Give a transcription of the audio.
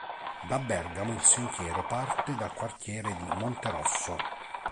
Da Bergamo il sentiero parte dal quartiere di Monterosso.